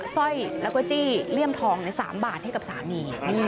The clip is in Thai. สร้อยแล้วก็จี้ลเยี่ยมทองใน๓บาทเท่ากับสาวนี่